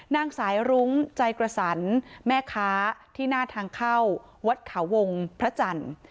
นางสายรุ้งใจกระสันแม่ค้าที่หน้าทางเข้าวัดเขาวงพระจันทร์